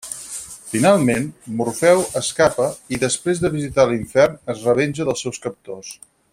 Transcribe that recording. Finalment, Morfeu escapa, i després de visitar l'Infern es revenja dels seus captors.